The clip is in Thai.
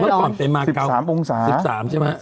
เมื่อก่อนไปมาเกาะ๑๓องศา